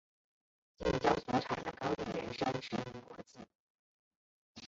近郊所产的高丽人参驰名国际。